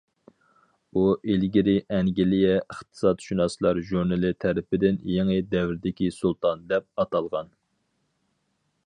ئۇ ئىلگىرى ئەنگلىيە ئىقتىسادشۇناسلار ژۇرنىلى تەرىپىدىن« يېڭى دەۋردىكى سۇلتان» دەپ ئاتالغان.